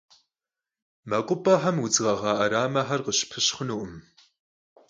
Mekhup'exem vudz ğeğa 'eramexer khışıpşıp xhunukhım.